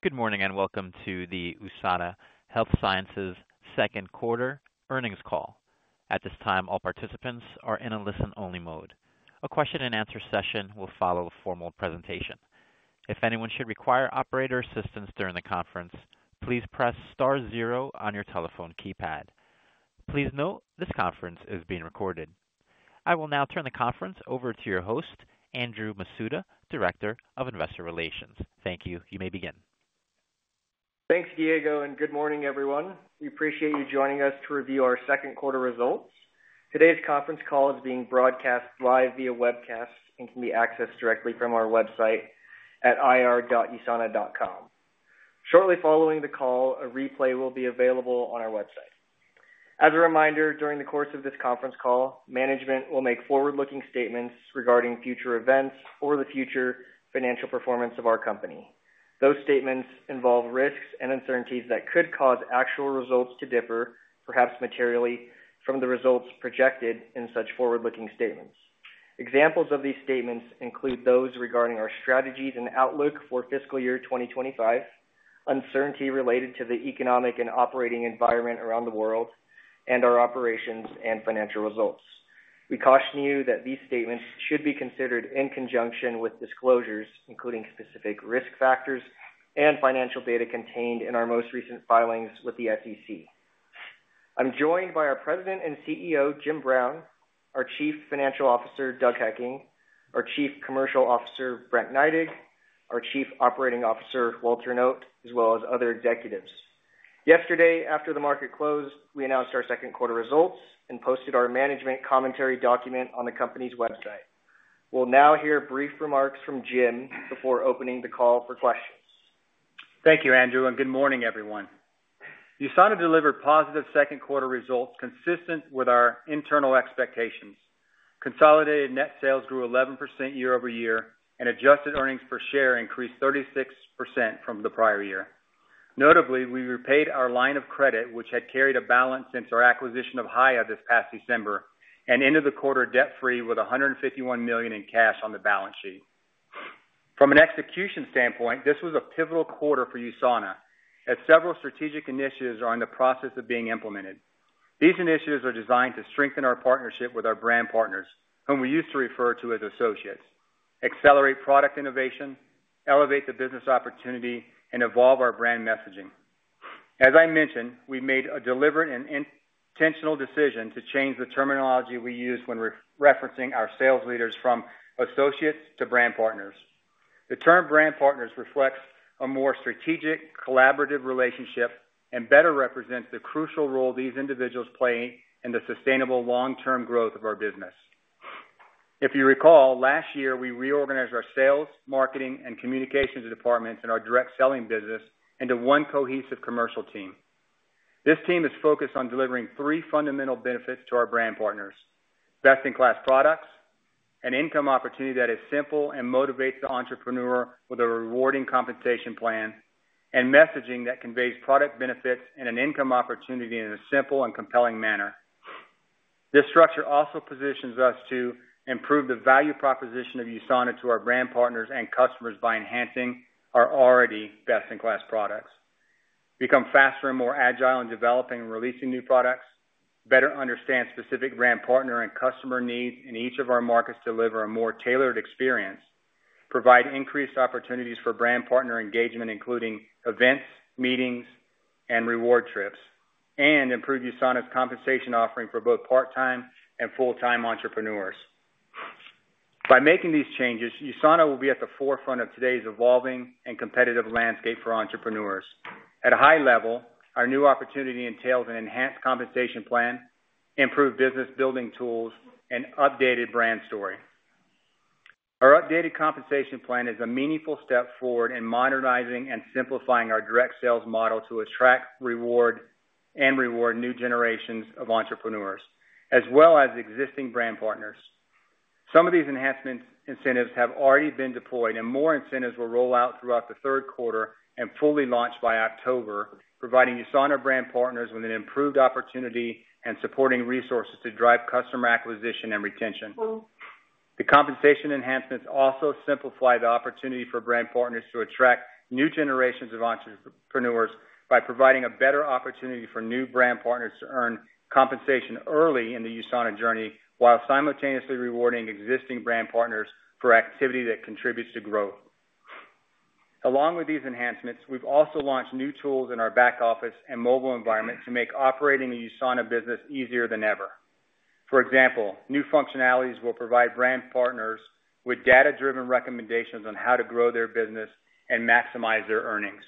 Good morning and welcome to the USANA Health Sciences second quarter earnings call. At this time, all participants are in a listen only mode. A question and answer session will follow a formal presentation. If anyone should require operator assistance during the conference, please press Star zero on your telephone keypad. Please note this conference is being recorded. I will now turn the conference over to your host, Andrew Masuda, Director of Investor Relations. Thank you. You may begin. Thanks, Diego, and good morning everyone. We appreciate you joining us to review our second quarter results. Today's conference call is being broadcast live via webcast and can be accessed directly from our website at ir.usana.com shortly following the call. A replay will be available on our website. As a reminder, during the course of this conference call, management will make forward-looking statements regarding future events or the future financial performance of our company. Those statements involve risks and uncertainties that could cause actual results to differ, perhaps materially, from the results projected in such forward-looking statements. Examples of these statements include those regarding our strategies and outlook for fiscal year 2025, uncertainty related to the economic and operating environment around the world, and our operations and financial results. We caution you that these statements should be considered in conjunction with disclosures including specific risk factors and financial data contained in our most recent filings with the SEC. I'm joined by our President and CEO Jim Brown, our Chief Financial Officer Doug Hekking, our Chief Commercial Officer Brent Neidig, our Chief Operating Officer Walter Noot, as well as other executives. Yesterday, after the market closed, we announced our second quarter results and posted our management commentary document on the company's website. We'll now hear brief remarks from Jim before opening the call for questions. Thank you, Andrew, and good morning, everyone. USANA delivered positive second quarter results consistent with our internal expectations. Consolidated net sales grew 11 percent year over year, and adjusted earnings per share increased 36 percent from the prior year. Notably, we repaid our line of credit, which had carried a balance since our acquisition of Hiya this past December, and ended the quarter debt free with $151 million in cash on the balance sheet. From an execution standpoint, this was a pivotal quarter for USANA as several strategic initiatives are in the process of being implemented. These initiatives are designed to strengthen our partnership with our brand partners, whom we used to refer to as associates, accelerate product innovation, elevate the business opportunity, and evolve our brand messaging. As I mentioned, we made a deliberate and intentional decision to change the terminology we use when referencing our sales leaders from associates to brand partners. The term brand partners reflects a more strategic, collaborative relationship and better represents the crucial role these individuals play in the sustainable, long-term growth of our business. If you recall, last year we reorganized our sales, marketing, and communications departments in our direct sales model into one cohesive commercial team. This team is focused on delivering three fundamental benefits to our brand partners best-in-class products, an income opportunity that is simple and motivates the entrepreneur with a rewarding compensation plan, and messaging that conveys product benefits and an income opportunity in a simple and compelling manner. This structure also positions us to improve the value proposition of USANA to our brand partners and customers by enhancing our already best-in-class products, becoming faster and more agile in developing and releasing new products, better understanding specific brand partner and customer needs in each of our markets, delivering a more tailored experience, providing increased opportunities for brand partner engagement including events, meetings, and reward trips, and improving USANA's compensation offering for both part-time and full-time entrepreneurs. By making these changes, USANA will be at the forefront of today's evolving and competitive landscape for entrepreneurs. At a high level, our new opportunity entails an enhanced compensation plan, improved business-building tools, and an updated brand story. Our updated compensation plan is a meaningful step forward in modernizing and simplifying our direct sales model to attract, reward, and reward new generations of entrepreneurs as well as existing brand partners. Some of these enhancements, incentives have already been deployed, and more incentives will roll out throughout the third quarter and fully launch by October, providing USANA brand partners with an improved opportunity and supporting resources to drive customer acquisition and retention. The compensation enhancements also simplify the opportunity for brand partners to attract new generations of entrepreneurs by providing a better opportunity for new brand partners to earn compensation early in the USANA journey while simultaneously rewarding existing brand partners for activity that contributes to growth. Along with these enhancements, we've also launched new tools in our back office and mobile environment to make operating a USANA business easier than ever. For example, new functionalities will provide brand partners with data-driven recommendations on how to grow their business and maximize their earnings.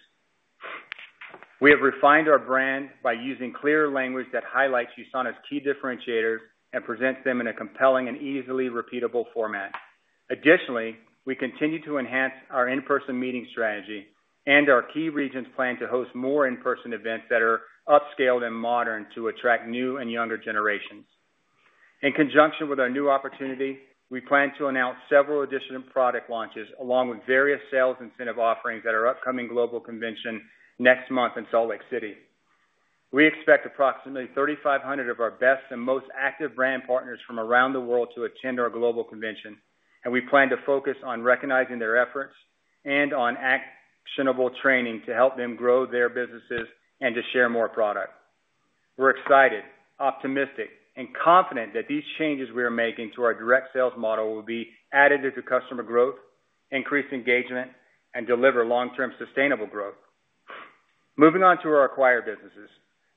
We have refined our brand by using clear language that highlights USANA's key differentiators and presents them in a compelling and easily repeatable format. Additionally, we continue to enhance our in-person meeting strategy, and our key regions plan to host more in-person events that are upscaled and modern to attract new and younger generations. In conjunction with our new opportunity, we plan to announce several additional product launches along with various sales incentive offerings at our upcoming Global Convention next month in Salt Lake City. We expect approximately 3,500 of our best and most active brand partners from around the world to attend our Global Convention, and we plan to focus on recognizing their efforts and on actionable training to help them grow their businesses and to share more product. We're excited, optimistic, and confident that these changes we are making to our direct sales model will be additive to the customer growth, increase engagement, and deliver long-term sustainable growth. Moving on to our acquired businesses,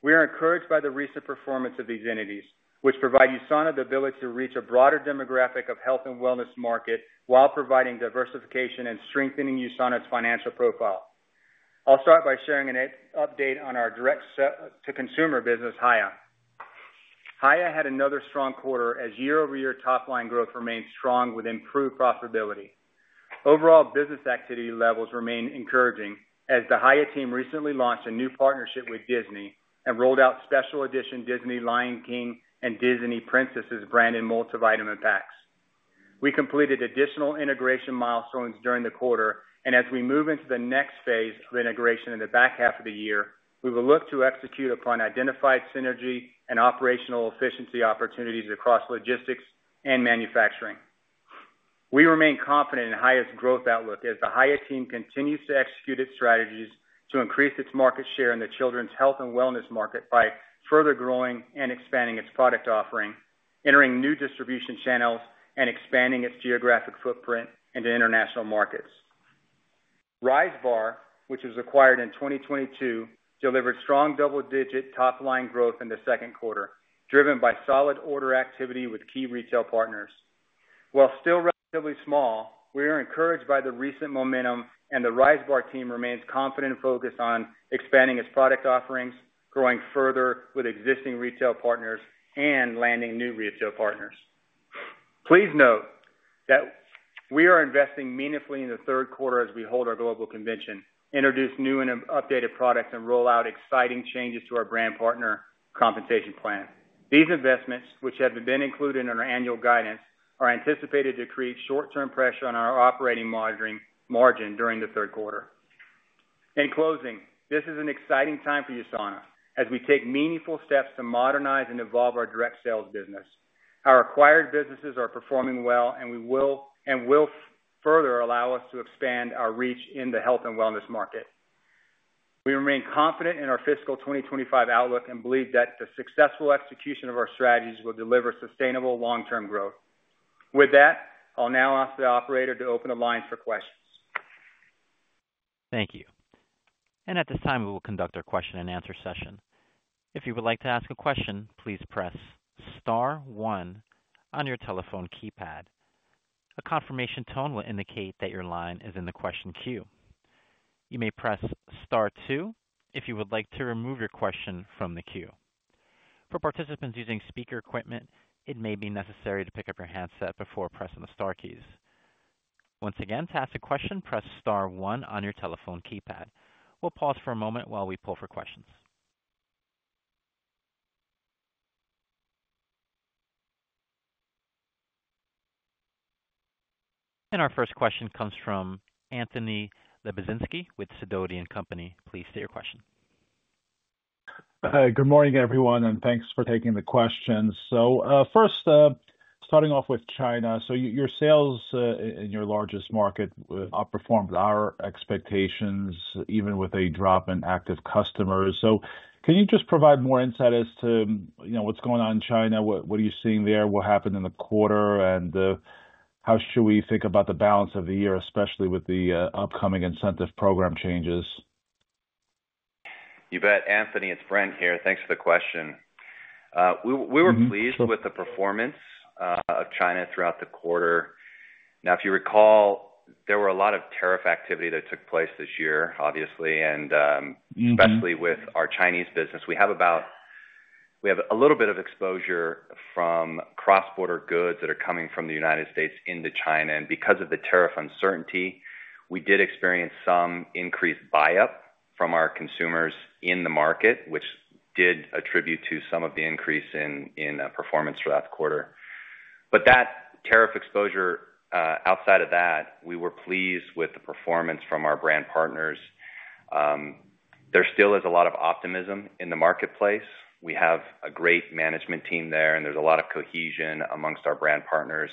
we are encouraged by the recent performance of these entities, which provide USANA the ability to reach a broader demographic of health and wellness market while providing diversification and strengthening USANA's financial profile. I'll start by sharing an update on our direct-to-consumer business. Hiya had another strong quarter as year-over-year top line growth remains strong with improved profitability. Overall business activity levels remain encouraging as the Hiya team recently launched a new partnership with Disney and rolled out special edition Disney Lion King and Disney Princesses branded multivitamin packs. We completed additional integration milestones during the quarter, and as we move into the next phase of integration in the back half of the year, we will look to execute upon identified synergy and operational efficiency opportunities across logistics and manufacturing. We remain confident in Hiya's growth outlook as the Hiya team continues to execute its strategies to increase its market share in the children's health and wellness market by further growing and expanding its product offering, entering new distribution channels, and expanding its geographic footprint into international markets. Rise Bar, which was acquired in 2022, delivered strong double-digit top line growth in the second quarter driven by solid order activity with key retail partners. While still relatively small, we are encouraged by the recent momentum and the Rise Bar team remains confident and focused on expanding its product offerings, growing further with existing retail partners, and landing new retail partners. Please note that we are investing meaningfully in the third quarter as we hold our Global Convention introduce new and updated products, and roll out exciting changes to our brand partner compensation plan. These investments, which have been included in our annual guidance, are anticipated to create short-term pressure on our operating margin during the third quarter. In closing, this is an exciting time for USANA as we take meaningful steps to modernize and evolve our direct sales business. Our acquired businesses are performing well and will further allow us to expand our reach in the health and wellness market. We remain confident in our fiscal 2025 outlook and believe that the successful execution of our strategies will deliver sustainable long-term growth. With that, I'll now ask the operator to open the lines for questions. Thank you. At this time, we will conduct our question and answer session. If you would like to ask a question, please press star one on your telephone keypad. A confirmation tone will indicate that your line is in the question queue. You may press star two if you would like to remove your question from the queue. For participants using speaker equipment, it may be necessary to pick up your handset before pressing the star keys. Once again, to ask a question, press star one on your telephone keypad. We'll pause for a moment while we poll for questions. Our first question comes from Anthony Lebiedzinski with Sidoti & Company. Please state your question. Good morning everyone and thanks for taking the questions. First, starting off with China. Your sales in your largest market outperformed our expectations even with a drop in active customers. Can you just provide more insight as to what's going on in China? What are you seeing there, what happened in the quarter, and how should we think about the balance of the year, especially with the upcoming incentive program changes? You bet. Anthony, it's Brent here. Thanks for the question. We were pleased with the performance of China throughout the quarter. If you recall, there was a lot of tariff activity that took place this year, obviously and especially with our Chinese business. We have a little bit of exposure from cross border goods that are coming from the United States into China. Because of the tariff uncertainty, we did experience some increased buy up from our consumers in the market, which did attribute to some of the increase in performance throughout the quarter. That tariff exposure, outside of that, we were pleased with the performance from our brand partners. There still is a lot of optimism in the marketplace. We have a great management team there, and there's a lot of cohesion amongst our brand partners.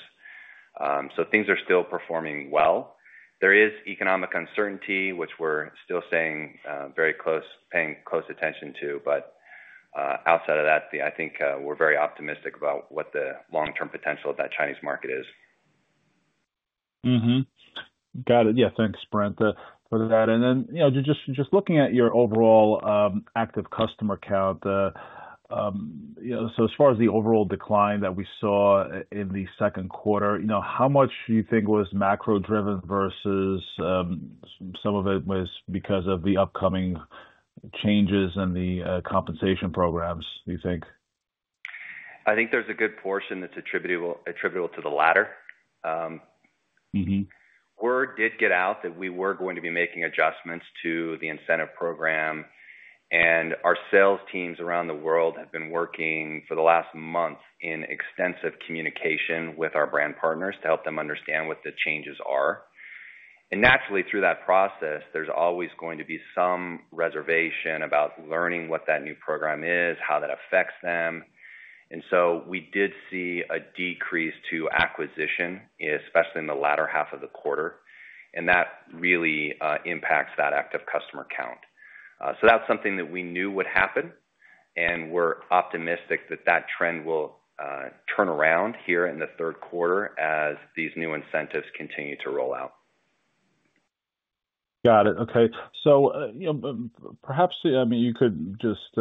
Things are still performing well. There is economic uncertainty, which we're still paying close attention to. Outside of that, I think we're very optimistic about what the long term potential of that Chinese market is. Got it. Yeah, thanks, Brent, for that. Just looking at your overall active customer count, as far as the overall decline that we saw in the second quarter, how much do you think was macro-driven versus some of it being because of the upcoming changes in the compensation programs, you think? I think there's a good portion that's attributable to the latter. Word did get out that we were going to be making adjustments to the incentive program. Our sales teams around the world have been working for the last month in extensive communication with our brand partners to help them understand what the changes are. Naturally, through that process, there's always going to be some reservation about learning what that new program is and how that affects them. We did see a decrease to acquisition, especially in the latter half of the quarter, and that really impacts that active customer count. That's something that we knew would happen, and we're optimistic that that trend will turn around here in the third quarter as these new incentives continue to roll out. Got it. Okay. Perhaps you could just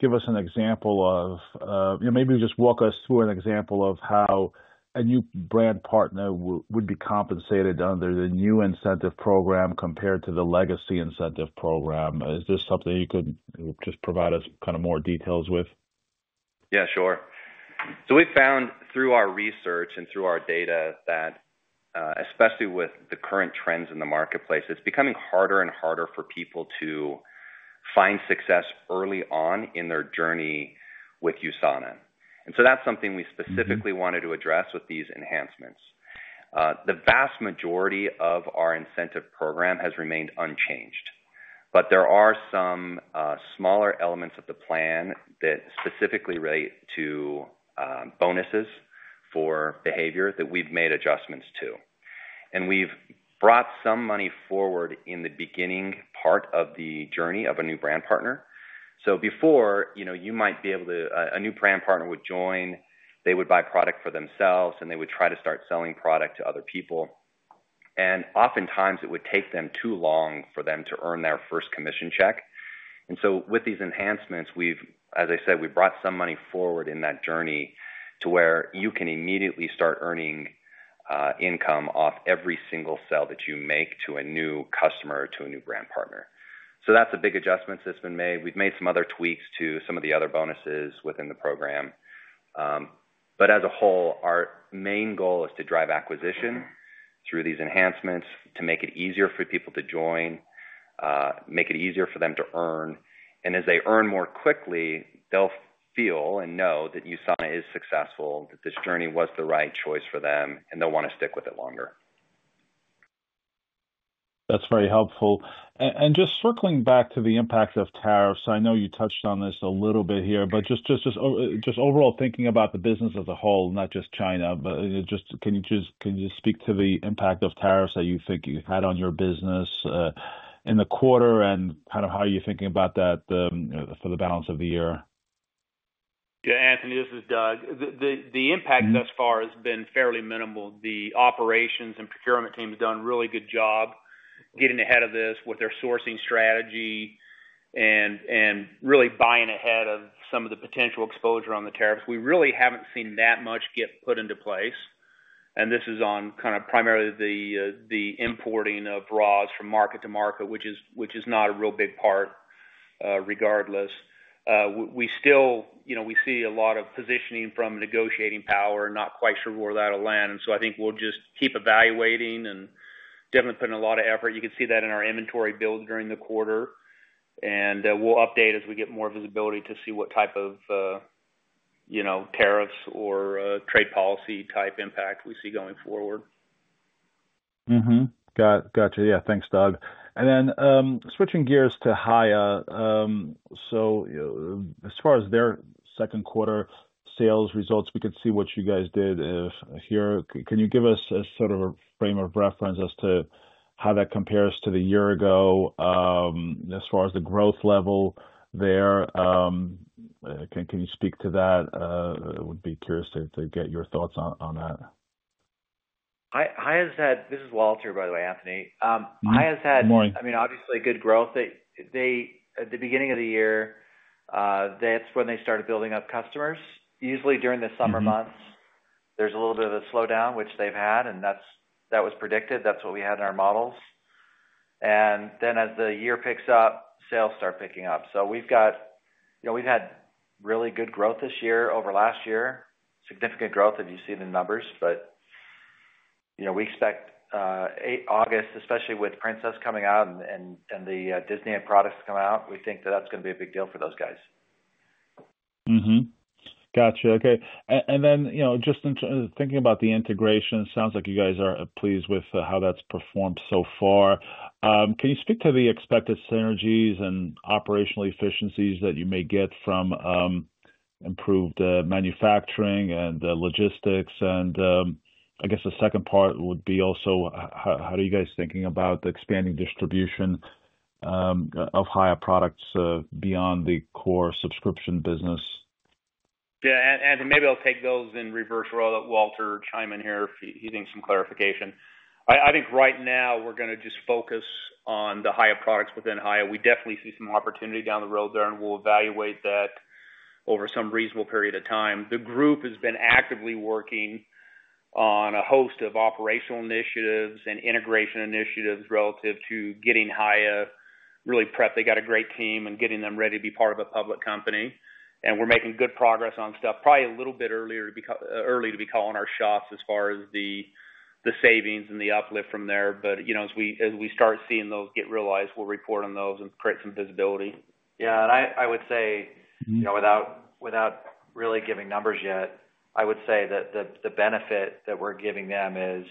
give us an example of maybe just walk us through an example of how a new USANA brand partner would be compensated under the new incentive program compared to the legacy incentive program. Is this something you could just provide us kind of more details with? Yeah, sure. We found through our research and through our data that, especially with the current trends in the marketplace, it's becoming harder and harder for people to find success early on in their journey with USANA. That's something we specifically wanted to address with these enhancements. The vast majority of our incentive program has remained unchanged, but there are some smaller elements of the plan that specifically relate to bonuses for behavior that we've made adjustments to, and we've brought some money forward in the beginning part of the journey of a new brand partner. Before, you know, a new brand partner would join, they would buy product for themselves, and they would try to start selling product to other people. Oftentimes it would take them too long for them to earn their first commission check. With these enhancements, we've, as I said, brought some money forward in that journey to where you can immediately start earning income off every single sale that you make to a new customer, to a new brand partner. That's a big adjustment that's been made. We've made some other tweaks to some of the other bonuses within the program. As a whole, our main goal is to drive acquisition through these enhancements to make it easier for people to join, make it easier for them to earn. As they earn more quickly, they'll feel and know that USANA is successful, that this journey was the right choice for them, and they'll want to stick with it longer. That's very helpful. Circling back to the impact of tariffs, I know you touched on this a little bit here, but just overall thinking about the business as a whole, not just China, can you speak to the impact of tariffs that you think you had on your business in the quarter, and how are you thinking about that for the balance of the year? Anthony, this is Doug. The impact thus far has been fairly minimal. The Operations and Procurement team has done a really good job getting ahead of this with their sourcing strategy and really buying ahead of some of the potential exposure on the tariffs. We really haven't seen that much get put into place. This is on kind of primarily the importing of raws from market to market, which is not a real big part. Regardless, we still see a lot of positioning from negotiating power. Not quite sure where that will land. I think we'll just keep evaluating and definitely putting a lot of effort. You can see that in our inventory build during the quarter, and we'll update as we get more visibility to see what type of tariffs or trade policy type impact we see going forward. Got you. Yeah, thanks, Doug. Switching gears to Hiya, as far as their second quarter sales results, we could see what you guys did here. Can you give us sort of a frame of reference as to how that compares to the year ago as far as the growth level there? Can you speak to that? Would be curious to get your thoughts on that. Hi, This is Walter, by the way. Anthony's had, I mean, obviously, good growth. At the beginning of the year. That's when they started building up customers easily during the summer months. There's a little bit of a slowdown, which they've had, and that was predicted. That's what we had in our models. As the year picks up, sales start picking up. We've had really good growth this year over last year, significant growth if you see the numbers. We expect August, especially with Princesses coming out and the Disney products come out. We think that that's going to be a big deal for those guys. Gotcha. Okay. In terms of thinking about the integration, it sounds like you guys are pleased with how that's performed so far. Can you speak to the expected synergies and operational efficiencies that you may get from improved manufacturing and logistics? I guess the second part would be also, how are you guys thinking about expanding distribution of Hiya Health products beyond the core subscription business? Yeah, Anthony, maybe I'll take those in reverse. I'll let Walter chime in here if he thinks some clarification is needed. I think right now we're going to just focus on the Hiya products within Hiya. We definitely see some opportunity down the road there and we'll evaluate that over some reasonable period of time. The group has been actively working on a host of operational initiatives and integration initiatives relative to getting Hiya really prepped. They got a great team and getting them ready to be part of a public company. We're making good progress on stuff. It's probably a little bit early to be calling our shots as far as the savings and the uplift from there. As we start seeing those get realized, we'll report on those and create some visibility. Yeah. I would say, you know, without really giving numbers yet, the benefit that we're giving them is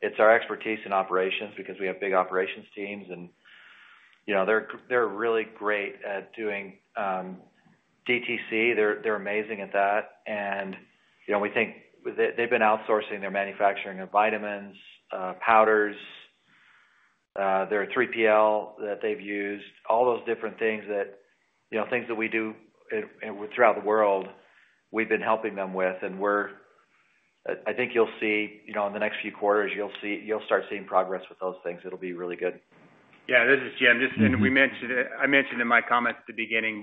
it's our expertise in operations because we have big operations teams. You know, they're really great at doing DTC, they're amazing at that. We think they've been outsourcing their manufacturing of vitamins, powders, their 3PL that they've used, all those different things that we do throughout the world. We've been helping them with those, and I think you'll see in the next few quarters, you'll start seeing progress with those things. It'll be really good. Yeah, this is Jim, just as we mentioned, I mentioned in my comments at the beginning,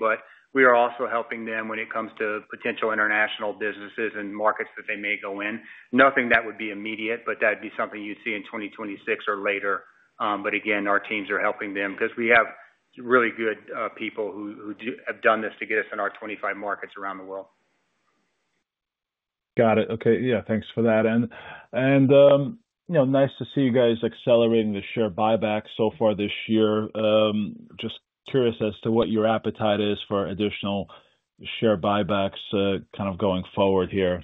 we are also helping them when it comes to potential international businesses and markets that they may go in. Nothing that would be immediate. That would be something you'd see in 2026 or later. Again, our teams are helping them because we have really good people who have done this to get us in our 25 markets around the world. Got it. Okay. Yeah, thanks for that. Nice to see you guys accelerating the share buyback so far this year. Just curious as to what your appetite is for additional share buybacks, kind of going forward here.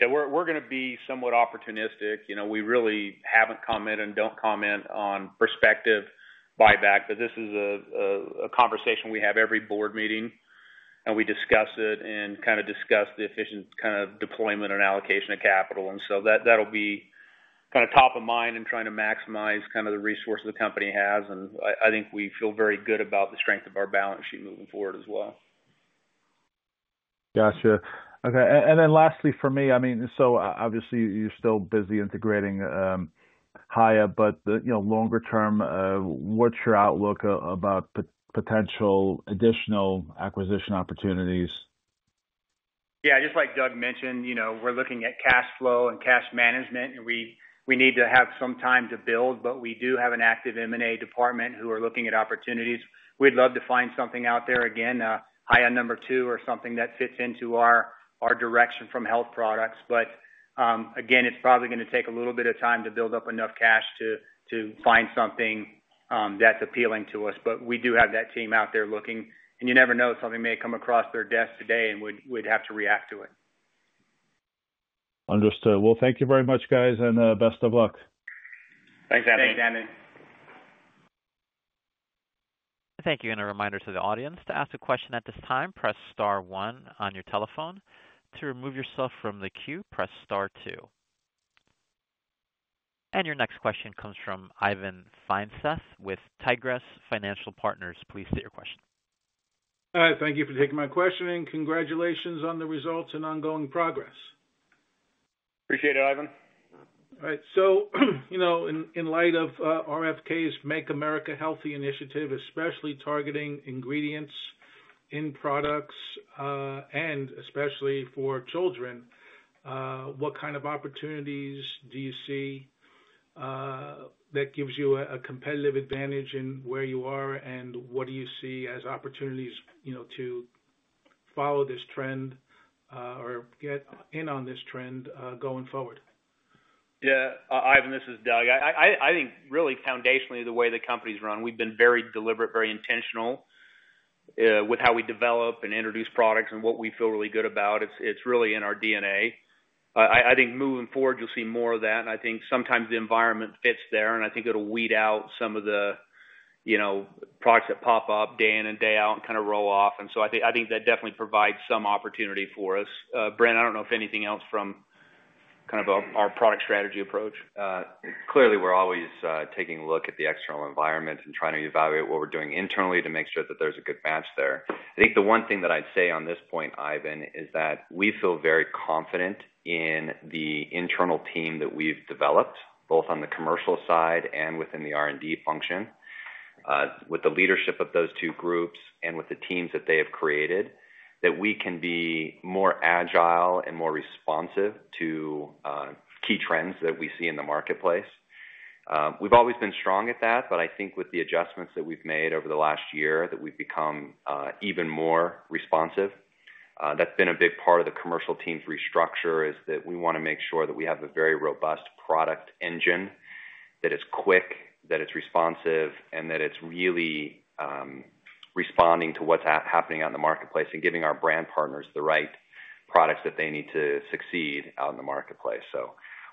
We're going to be somewhat opportunistic. We really haven't commented and don't comment on prospective buyback, but this is a conversation we have every board meeting. We discuss it and discuss the efficient deployment and allocation of capital. That'll be top of mind in trying to maximize the resources the company has. I think we feel very good about the strength of our balance sheet moving forward as well. Gotcha. Okay. Lastly for me, obviously you're still busy integrating Hiya, but longer term, what's your outlook about potential additional acquisition opportunities? Yeah, just like Doug mentioned, we're looking at cash flow and cash management, and we need to have some time to build. We do have an active M&A department who are looking at opportunities. We'd love to find something out there, again, high end number two or something that fits into our direction from health products. It's probably going to take a little bit of time to build up enough cash to find something that's appealing to us. We do have that team out there looking, and you never know, something may come across their desk today and we'd have to react to it. Understood. Thank you very much, guys, and best of luck. Thanks, Andy. Thanks, Andy. Thank you. A reminder to the audience to ask a question at this time. Press star one on your telephone to remove yourself from the queue, press star two. Your next question comes from Ivan Feinseth with Tigress Financial Partners. Please state your question. Thank you for taking my question, and congratulations on the results and ongoing progress. Appreciate it, Ivan. All right, in light of RFK's Make America Healthy initiative, especially targeting ingredients in products and especially for children, what kind of opportunities do you see that gives you a competitive advantage? Where are you? What do you see as opportunities to follow this trend or get in on this trend going forward? Yeah, Ivan, this is Doug. I think really foundationally, the way the company's run, we've been very deliberate, very intentional with how we develop and introduce products and what we feel really good about. It's really in our DNA. I think moving forward, you'll see more of that. I think sometimes the environment fits there, and I think it'll weed out some of the products that pop up day in and day out and kind of roll off. I think that definitely provides some opportunity for us. Brent, I don't know if anything else from kind of our product strategy approach. Clearly, we're always taking a look at the external environment and trying to evaluate what we're doing internally to make sure that there's a good match there. I think the one thing that I'd say on this point, Ivan, is that we feel very confident in the internal team that we've developed, both on the commercial side and within the R&D function. With the leadership of those two groups and with the teams that they have created, we can be more agile and more responsive to key trends that we see in the marketplace. We've always been strong at that, but I think with the adjustments that we've made over the last year, we've become even more responsive. That's been a big part of the commercial team's restructure, that we want to make sure that we have a very robust product engine that is quick, that it's responsive, and that it's really responding to what's happening out in the marketplace and giving our brand partners the right products that they need to succeed out in the marketplace.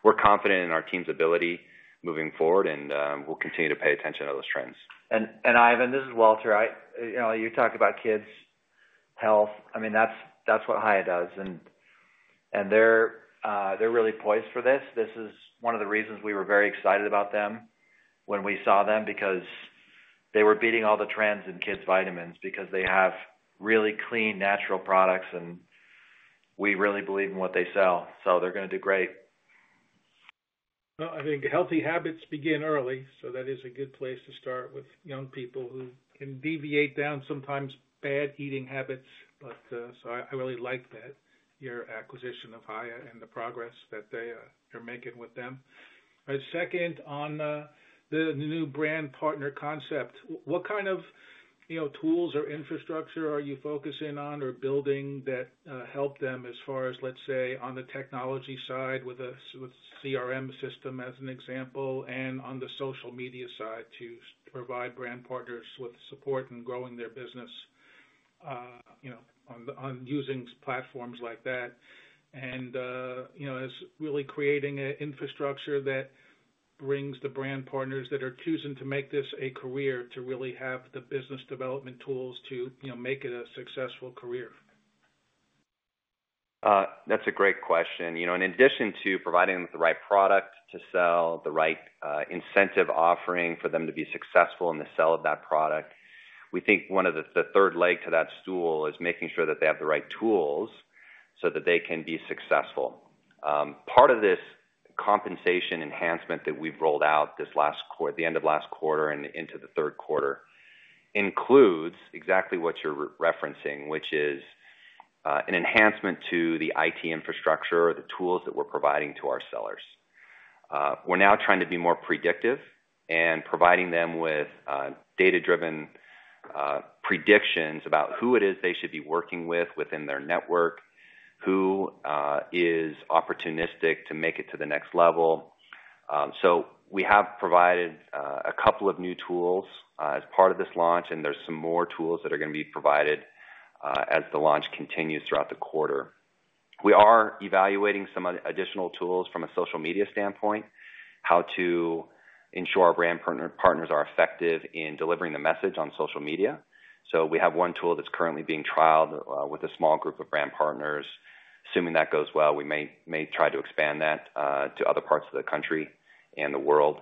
We're confident in our team's ability moving forward and we'll continue to pay attention to those trends. Ivan, this is Walter. You talk about kids health. I mean that's what Hiya does, and they're really poised for this. This is one of the reasons we were very excited about them when we saw them, because they were beating all the trends in kids vitamins. They have really clean, natural products, and we really believe in what they sell. They are going to do great. I think healthy habits begin early, so that is a good place to start with young people who deviate down sometimes bad eating habits. I really like that your acquisition of Hiya and the progress that they are making with them. On the new brand partner concept, what kind of tools or infrastructure are you focusing on or building that help them as far as, let's say, on the technology side with a CRM system as an example and on the social media side to provide brand partners with support in growing their business, you know, on using platforms like that? It is really creating an infrastructure that brings the brand partners that are choosing to make this a career to really have the business development tools to make it a successful career. That's a great question. You know, in addition to providing the right product to sell, the right incentive offering for them to be successful in the sale of that product, we think one of the third legs to that stool is making sure that they have the right tools so that they can be successful. Part of this compensation enhancement that we've rolled out this last quarter, the end of last quarter and into the third quarter, includes exactly what you're referencing, which is an enhancement to the IT infrastructure or the tools that we're providing to our sellers. We're now trying to be more predictive and providing them with data-driven predictions about who it is they should be working with within their network who is opportunistic to make it to the next level. We have provided a couple of new tools as part of this launch, and there are some more tools that are going to be provided as the launch continues throughout the quarter. We are evaluating some additional tools from a social media standpoint, how to ensure our brand partners are effective in delivering the message on social media. We have one tool that's currently being trialed with a small group of brand partners. Assuming that goes well, we may try to expand that to other parts of the country and the world.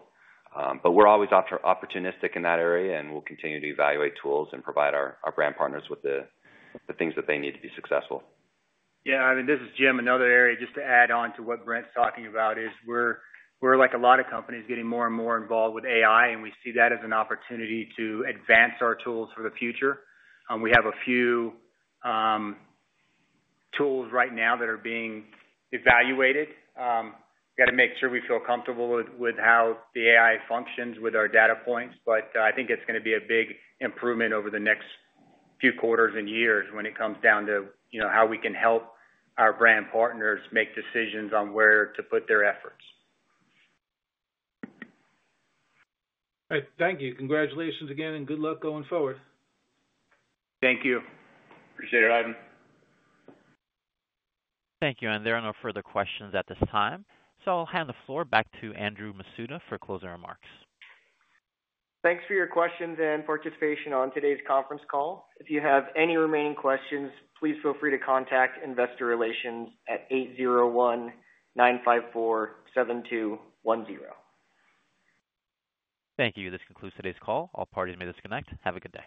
We're always opportunistic in that area, and we'll continue to evaluate tools and provide our brand partners with the things that they need to be successful. Yeah, I mean, this is Jim. Another area just to add on to what Brent's talking about is we're, like a lot of companies, getting more and more involved with AI, and we see that as an opportunity to advance our tools for the future. We have a few tools right now that are being evaluated. Got to make sure we feel comfortable with how the AI functions with our data points. I think it's going to be a big improvement over the next few quarters and years when it comes down to how we can help our brand partners make decisions on where to put their efforts. Thank you. Congratulations again, and good luck going forward. Thank you. Appreciate it, Ivan. Thank you. There are no further questions at this time, so I'll hand the floor back to Andrew Masuda for closing remarks. Thanks for your questions and participation on today's conference call. If you have any remaining questions, please feel free to contact Investor Relations at 801-954-7210. Thank you. This concludes today's call. All parties may disconnect. Have a good day.